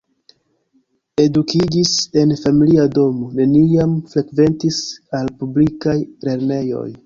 Edukiĝis en familia domo, neniam frekventis al publikaj lernejoj.